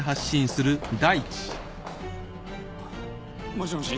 もしもし